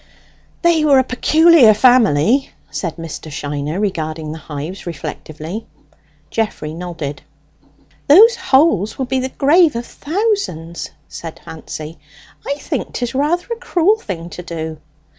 "They were a peculiar family," said Mr. Shiner, regarding the hives reflectively. Geoffrey nodded. "Those holes will be the grave of thousands!" said Fancy. "I think 'tis rather a cruel thing to do."